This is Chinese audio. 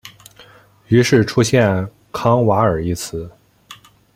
于是出现康瓦尔一词。